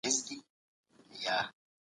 ډيموکراسي تر استبداد غوره نظام دی.